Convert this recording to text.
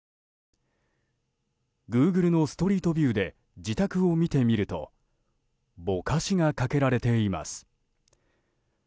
グーグルのストリートビューで自宅を見てみるとぼかしがかけられています。